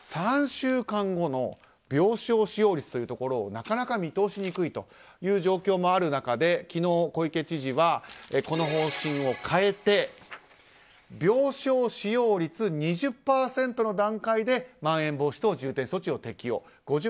３週間後の病床使用率というところをなかなか見通しにくいという状況もある中で昨日、小池知事はこの方針を変えて病床使用率２０％の段階でまん延防止等重点措置を適用。